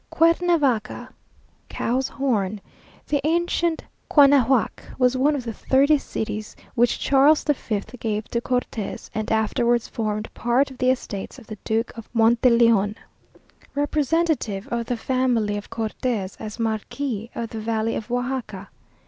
Cuernavaca (cow's horn), the ancient Quauhnahuac, was one of the thirty cities which Charles the Fifth gave to Cortes, and afterwards formed part of the estates of the Duke of Monteleone, representative of the family of Cortes, as Marquis of the Valley of Oajaca.